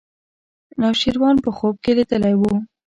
نوشیروان په خوب کې لیدلی و.